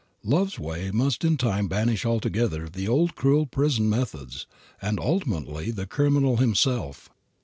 Love's way must in time banish altogether the old cruel prison methods, and ultimately the criminal himself.